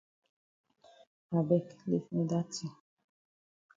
I beg leave me dat tin.